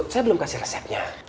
saya belum kasih resepnya